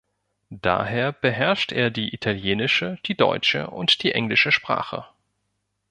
Daher beherrscht er die italienische, die deutsche und die englische Sprache.